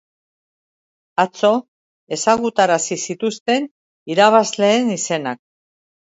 Atzo ezagutarazi zituzten irabazleen izenak.